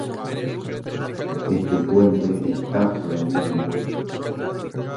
Este puente está todavía en uso.